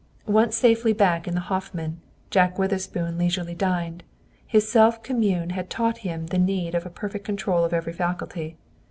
Once safely back in the Hoffman, Jack Witherspoon leisurely dined. His self commune had taught him the need of a perfect control of every faculty.